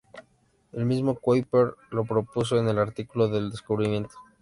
El mismo Kuiper lo propuso en el artículo del descubrimiento.